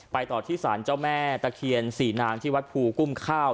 ต่อที่สารเจ้าแม่ตะเคียนสี่นางที่วัดภูกุ้มข้าว